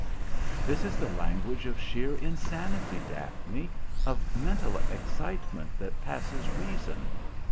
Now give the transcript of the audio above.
"This is the language of sheer insanity, Daphne, of mental excitement that passes reason."